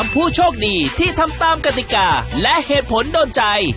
ผู้โชคดีที่ทำตามกติกาและเหตุผลโดนใจ